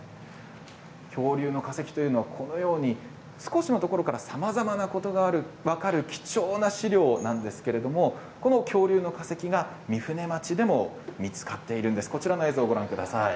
恐竜の化石というのはこのように少しのところからさまざまなことが分かる貴重な資料なんですけれどこの恐竜の化石が御船町でも見つかっているんです。